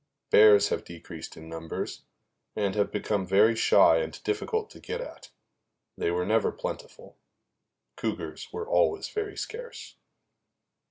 Bears have decreased in numbers, and have become very shy and difficult to get at; they were never plentiful. Cougars were always very scarce.